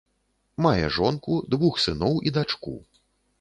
Мае жонку, двух сыноў і дачку.